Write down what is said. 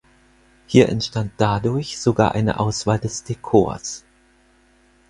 Hier entstand dadurch sogar eine Auswahl des Dekors.